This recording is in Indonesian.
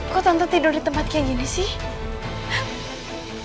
kok tante tidur di tempat kayak gini sih